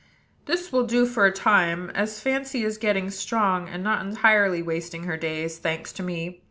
"This will do for a time; as Fancy is getting strong, and not entirely wasting her days, thanks to me!